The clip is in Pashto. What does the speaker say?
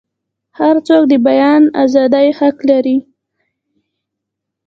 هرڅوک د بیان ازادۍ حق لري.